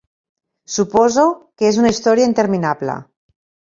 Suposo que és una història interminable.